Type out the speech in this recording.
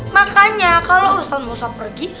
makanya kalau ustadz musa pergi